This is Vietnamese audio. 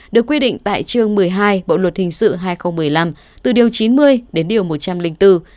được quy định tại chương một mươi hai bộ luật hình sự hai nghìn một mươi năm từ điều chín mươi đến điều một trăm linh bốn